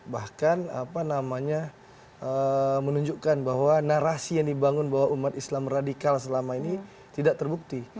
bahkan apa namanya menunjukkan bahwa narasi yang dibangun bahwa umat islam radikal selama ini tidak terbukti